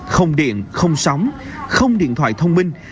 không điện không sóng không điện thoại thông minh